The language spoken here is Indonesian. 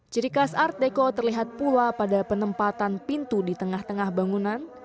ciri khas art deco terlihat pula pada penempatan pintu di tengah tengah bangunan